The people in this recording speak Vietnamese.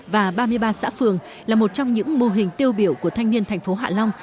và ba mươi ba xã phường là một trong những mô hình tiêu biểu của thanh niên thành phố hạ long